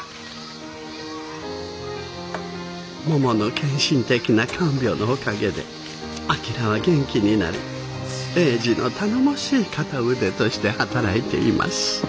ももの献身的な看病のおかげで旭は元気になり英治の頼もしい片腕として働いています。